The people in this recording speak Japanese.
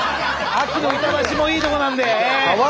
秋の板橋もいいとこなんで。